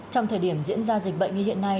trong thời điểm diễn ra dịch bệnh như hiện nay